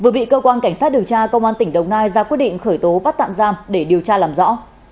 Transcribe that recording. đã ra quyết định khởi tố bắt tạm giam để điều tra làm rõ